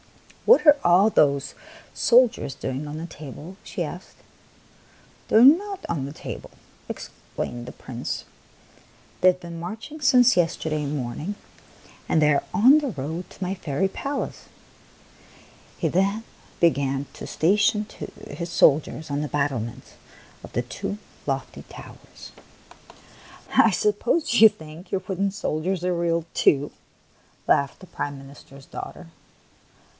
" What are all those soldiers doing on the table ?" she asked. " They are not on the table," explained the Prince. " They have been marching since yes terday morning, and they are on the road to my fairy palace." He then began to station his soldiers on the battlements of the two lofty towers. 132 THE PALACE ON THE FLOOR " I suppose you think your wooden soldiers are real, too!'* laughed the Prime Ministers daughter.